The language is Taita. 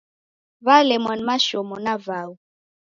W'alemwa ni mashomo na vaghu.